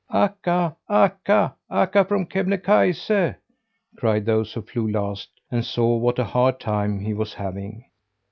"Akka, Akka, Akka from Kebnekaise!" cried those who flew last and saw what a hard time he was having.